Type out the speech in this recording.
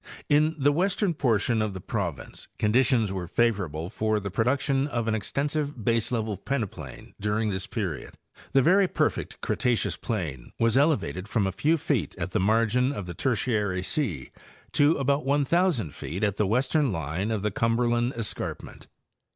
—In the western portion of the province con ditions were favorable for the production of an extensive base level peneplain during this period. The very perfect Cretaceous plain was elevated from a few feet at the margin of the Tertiary sea to about 1,000 feet at the western line of the Cumberland escarpment.